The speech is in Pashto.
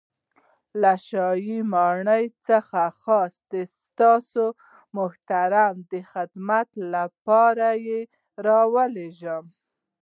له شاهي ماڼۍ څخه خاص تاسو محترم ته د خدمت له پاره را ورسېږم.